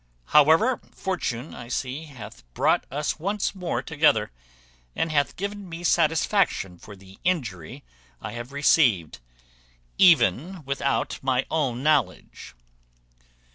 However, fortune, I see, hath brought us once more together, and hath given me satisfaction for the injury I have received, even without my own knowledge."